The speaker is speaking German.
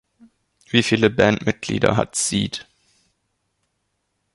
Wie viele Bandmitglieder hat Seeed?